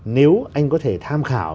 nếu anh có thể tham khảo